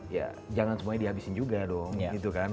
ya jangan semuanya dihabisin juga dong